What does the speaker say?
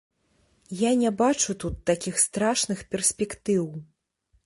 Я не бачу тут такіх страшных перспектыў.